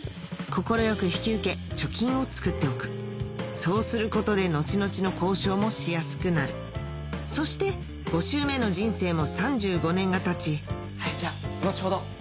快く引き受け貯金をつくっておくそうすることで後々の交渉もしやすくなるそして５周目の人生も３５年が経ちじゃあ後ほど。